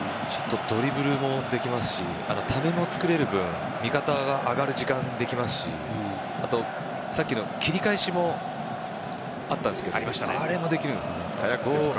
ドリブルもできますしためもつくれる分味方が上がる時間ができますしさっきの切り返しもあったんですけどあれもできるんですよね。